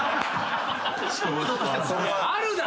あるだろ！